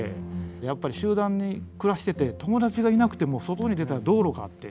やっぱり集団に暮らしてて友達がいなくても外に出たら道路があって。